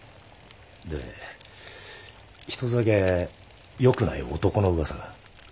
でひとつだけよくない男の噂が。